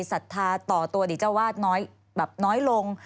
ศรัทธาตว์ตัวดิเจ้าวาดน้อยลง